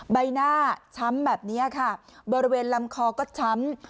ใบหน้าช้ำแบบนี้ค่ะบริเวณลำคอก็ช้ำ